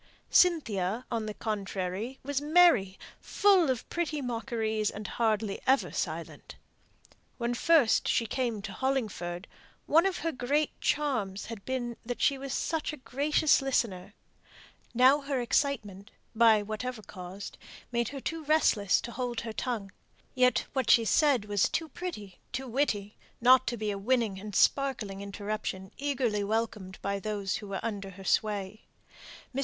Cynthia, on the contrary, was merry, full of pretty mockeries, and hardly ever silent. When first she came to Hollingford one of her great charms had been that she was such a gracious listener; now her excitement, by whatever caused, made her too restless to hold her tongue; yet what she said was too pretty, too witty, not to be a winning and sparkling interruption, eagerly welcomed by those who were under her sway. Mr.